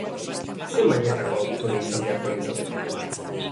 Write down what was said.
Ze mailako aktore izan beharko litzateke?